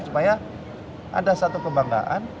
supaya ada satu kebanggaan